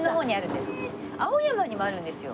青山にもあるんですよ。